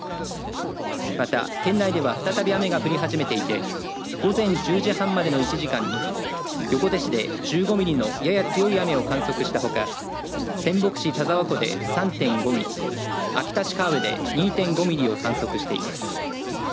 また県内では再び雨が降り始めていて午前１０時半までの１時間に横手市で１５ミリのやや強い雨を観測したほか仙北市田沢湖で３．５ミリ秋田市河辺で２．５ミリを観測しています。